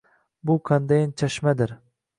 Bu qandayin chashmadir?